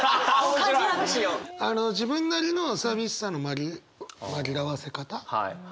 自分なりの寂しさの紛らわせ方あったりする？